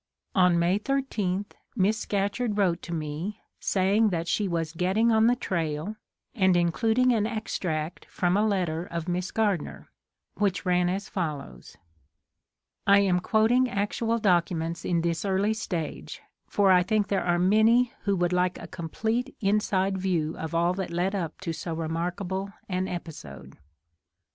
On May 13 Miss Scatcherd wrote to me saying that she was getting on the trail, and including an extract from a letter of Miss Gardner, which ran as follows. I am quoting actual documents in this early stage, for I think there are many who would like a complete inside view of all that led up to so remarkable an episode.